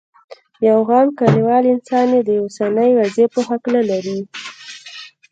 یو عام کلیوال انسان یې د اوسنۍ وضعې په هکله لري.